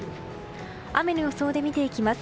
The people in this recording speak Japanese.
雨の予想で見ていきます。